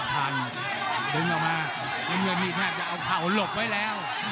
ดึงออกมามีเมืองนี้แทบจะเอาเข่าหลบไว้แล้ว